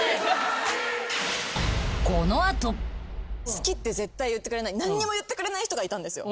好きって絶対言ってくれない何にも言ってくれない人がいたんですよ。